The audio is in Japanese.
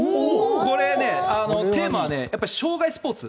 これ、テーマは生涯スポーツ。